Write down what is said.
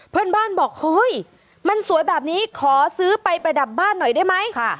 เพื่อนบ้านบอกเฮ้ยมันสวยแบบนี้ขอซื้อไปประดับบ้านหน่อยได้ไหม